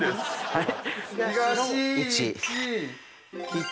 はい。